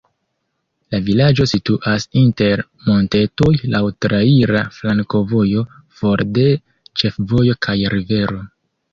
La vilaĝo situas inter montetoj, laŭ traira flankovojo, for de ĉefvojo kaj rivero.